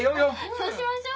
そうしましょう。